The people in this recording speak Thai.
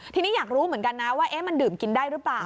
ทีนี้อยากรู้เหมือนกันนะว่ามันดื่มกินได้หรือเปล่า